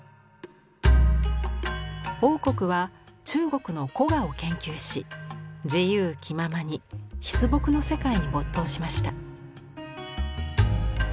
櫻谷は中国の古画を研究し自由気ままに筆墨の世界に没頭しました。